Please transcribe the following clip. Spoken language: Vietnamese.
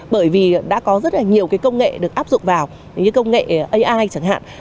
bởi vì đã có rất là nhiều cái công nghệ được áp dụng vào như công nghệ ai chẳng hạn